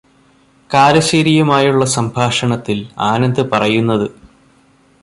കാരശേരിയുമായുള്ള സംഭാഷണത്തില് ആനന്ദ് പറയുന്നത്